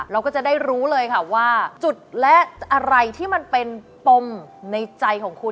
เราก็จะได้รู้เลยค่ะว่าจุดและอะไรที่มันเป็นปมในใจของคุณ